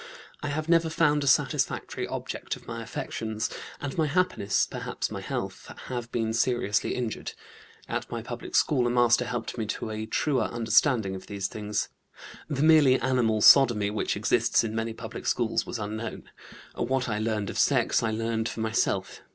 "I have never found a satisfactory object of my affections, and my happiness, perhaps my health, have been seriously injured. At my public school a master helped me to a truer understanding of these things. The merely animal sodomy which exists in many public schools was unknown. What I learned of sex I learned for myself.